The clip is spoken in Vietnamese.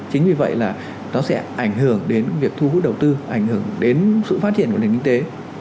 chính vì vậy là nó sẽ ảnh hưởng đến việc thu hút đầu tư ảnh hưởng đến sự phát triển của nền kinh tế